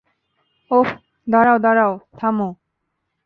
ওহ, দাঁড়াও, দাঁড়াও, থামো।